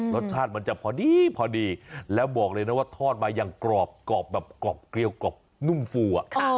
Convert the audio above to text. รสชาติมันจะพอดีพอดีแล้วบอกเลยนะว่าทอดมาอย่างกรอบกรอบแบบกรอบเกลียวกรอบนุ่มฟูอ่ะ